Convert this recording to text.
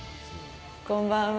こんばんは。